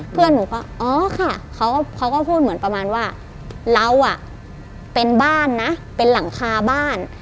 เพื่อนหนูก็อ๋อค่ะเขาก็พูดเหมือนประมาณว่าเราอ่ะเป็นบ้านนะเป็นหลังคาบ้าน